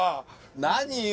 何よ。